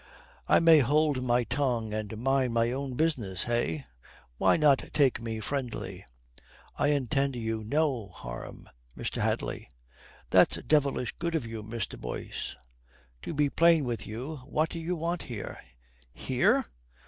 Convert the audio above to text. "I may hold my tongue and mind my own business, eh? Why not take me friendly?" "I intend you no harm, Mr. Hadley." "That's devilish good of you, Mr. Boyce. To be plain with you, what do you want here?" "Here?